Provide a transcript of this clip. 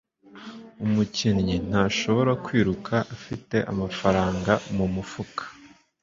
Umukinnyi ntashobora kwiruka afite amafaranga mu mufuka.